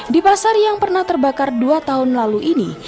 di pasar yang pernah terbakar dua tahun lalu ini